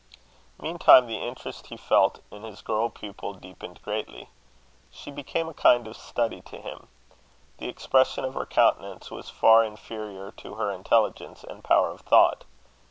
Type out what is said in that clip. Meantime the interest he felt in his girl pupil deepened greatly. She became a kind of study to him. The expression of her countenance was far inferior to her intelligence and power of thought.